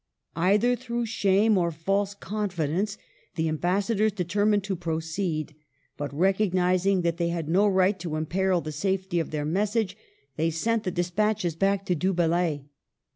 Either through shame or false confidence the ambassadors determined to proceed ; but recognizing that they had no right to imperil the safety of their message, they sent the despatches back to Du Bellay.